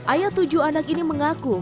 ayah tujuh anak ini mengaku